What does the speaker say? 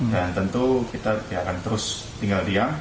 dan tentu kita akan terus tinggal diam